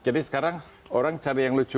jadi sekarang orang cari yang lucu lucu